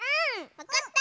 わかった！